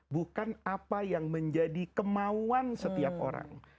bukan apa yang menjadi kemauan setiap orang